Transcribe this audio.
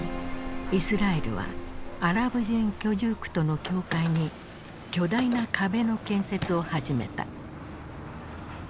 イスラエルはアラブ人居住区との境界に巨大な壁の建設を始めた。